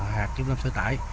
hạt chức năng sở tải